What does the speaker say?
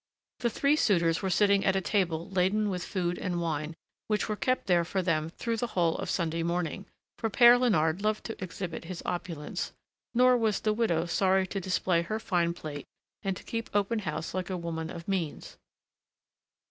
The three suitors were sitting at a table laden with food and wine, which were kept there for them through the whole of Sunday morning; for Père Léonard loved to exhibit his opulence, nor was the widow sorry to display her fine plate and to keep open house like a woman of means.